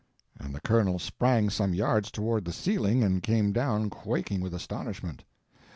and the colonel sprang some yards toward the ceiling and came down quaking with astonishment.